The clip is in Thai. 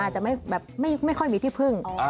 จะไม่ค่อยมีที่พึ่ง